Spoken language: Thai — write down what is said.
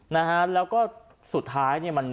แล้วก็สุดท้ายเนี่ย